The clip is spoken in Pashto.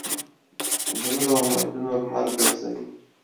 زړه د امیدونو لمر ګرځوي.